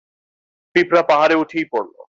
পিঁপড়া পাহাড়ে উঠেই পড়লো।